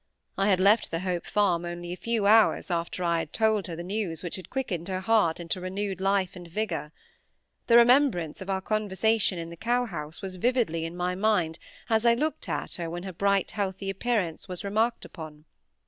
I had left the Hope Farm only a few hours after I had told her the news which had quickened her heart into renewed life and vigour. The remembrance of our conversation in the cow house was vividly in my mind as I looked at her when her bright healthy appearance was remarked upon.